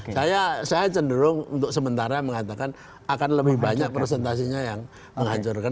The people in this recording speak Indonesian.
saya cenderung untuk sementara mengatakan akan lebih banyak presentasinya yang menghancurkan